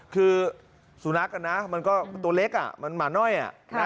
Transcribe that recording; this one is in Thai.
คือสูนักนะมันก็ตัวเล็กอ่ะมันหมาน้อยอ่ะ